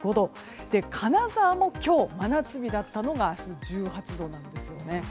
金沢も今日、真夏日だったのが明日、１８度なんですね。